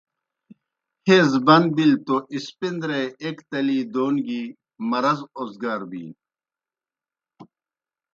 حیض بن بِلیْ توْ اسپندرے ایْک تلی دون گیْ مرض اوزگار بِینیْ۔